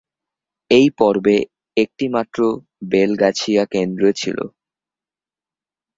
এই পর্বে একটিমাত্র বেলগাছিয়া কেন্দ্র ছিল।